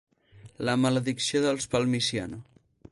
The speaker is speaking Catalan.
La maledicció dels Palmisano.